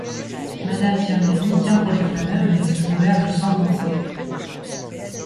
Madame Firmiani tient pour les Flâneurs une espèce d’auberge sans enseigne.